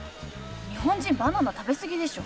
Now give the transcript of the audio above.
日本人バナナ食べ過ぎでしょ。